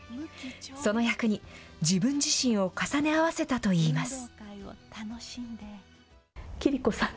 その役に、自分自身を重ね合わせたといいます。